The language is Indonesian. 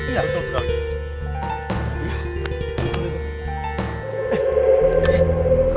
iya betul kak